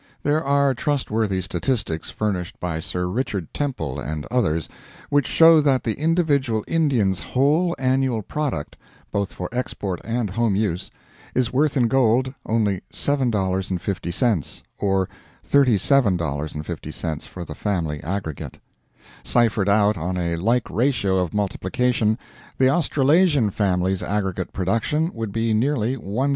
There are trustworthy statistics furnished by Sir Richard Temple and others, which show that the individual Indian's whole annual product, both for export and home use, is worth in gold only $7.50; or, $37.50 for the family aggregate. Ciphered out on a like ratio of multiplication, the Australasian family's aggregate production would be nearly $1,600.